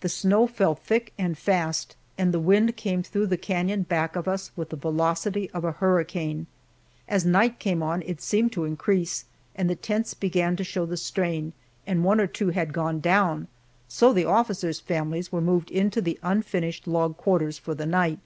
The snow fell thick and fast, and the wind came through the canon back of us with the velocity of a hurricane. As night came on it seemed to increase and the tents began to show the strain and one or two had gone down, so the officers' families were moved into the unfinished log quarters for the night.